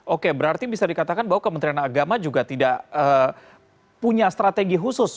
oke berarti bisa dikatakan bahwa kementerian agama juga tidak punya strategi khusus